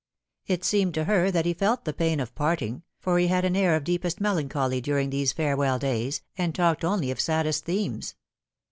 It seemed to her also that he felt the pain of parting, for he had an air of deepest melancholy during these farewell days, and talked only of saddest themes.